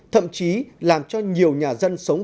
thậm chí làm cho nhiều nhà dân sống